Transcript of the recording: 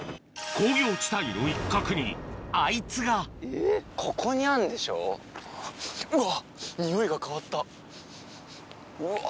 工業地帯の一角にあいつがうわ。